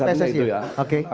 ya salah satunya itu ya